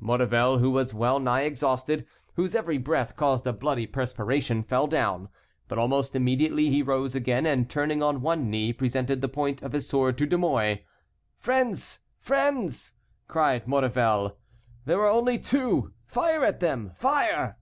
Maurevel, who was well nigh exhausted, whose every breath caused a bloody perspiration, fell down; but almost immediately he rose again, and turning on one knee presented the point of his sword to De Mouy. "Friends! Friends!" cried Maurevel. "There are only two. Fire at them! Fire!"